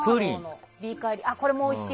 これもおいしい。